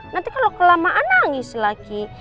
nanti kalau kelamaan nangis lagi